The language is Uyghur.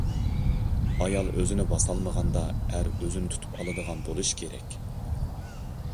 ئايال ئۆزىنى باسالمىغاندا ئەر ئۆزىنى تۇتۇپ ئالىدىغان بولۇشى كېرەك.